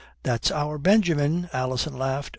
"That's our Benjamin," Alison laughed.